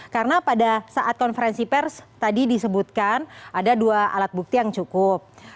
karena pada saat konferensi pers tadi disebutkan ada dua alat bukti yang cukup